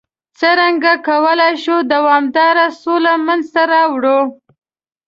څرنګه کولای شو دوامداره سوله منځته راوړ؟